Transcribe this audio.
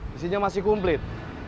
disinya masih kumplit